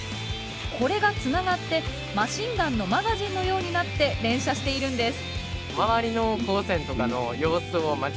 これがつながってマシンガンのマガジンのようになって連射しているんです。